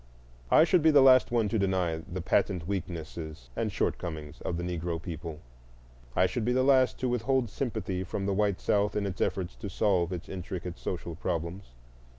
I should be the last one to deny the patent weaknesses and shortcomings of the Negro people; I should be the last to withhold sympathy from the white South in its efforts to solve its intricate social problems.